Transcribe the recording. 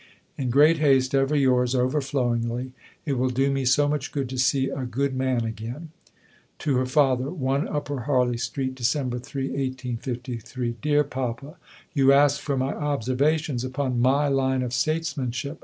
In great haste, ever yours overflowingly. It will do me so much good to see a good man again. (To her Father.) 1 UPPER HARLEY ST., December 3 . DEAR PAPA You ask for my observations upon my line of statesmanship.